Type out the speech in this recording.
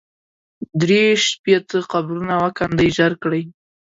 درې شپېته قبرونه وکېندئ ژر کړئ.